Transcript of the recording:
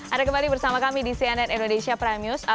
ada kembali bersama kami di cnn indonesia prime news